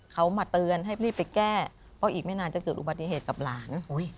เขามาเตือนให้รีบไปแก้เพราะอีกไม่นานจะเกิดอุบัติเหตุกับหลาน